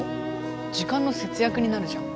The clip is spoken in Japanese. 時間の節約になるじゃん。